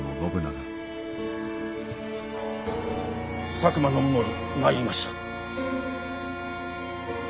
佐久間信盛参りました。